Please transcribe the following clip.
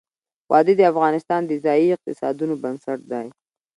وادي د افغانستان د ځایي اقتصادونو بنسټ دی.